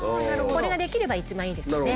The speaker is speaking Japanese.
これができれば一番いいですよね。